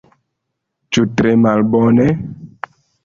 Ĉu tre malbone?